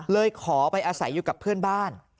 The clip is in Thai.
เลยขอไปอาศัยอยู่กับเพื่อนบ้าน